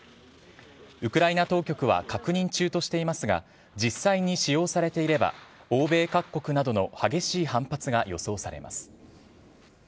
ウクライナ当局は確認中としていますが、実際に使用されていれば、欧米各国などの激しい反発が予想されます。